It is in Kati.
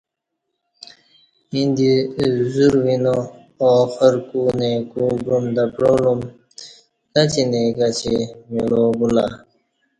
ییں دی زور وینا اخر کو نئ کو گعام تہ پعالُوم، کاچی نئ کاچی ملا بولہ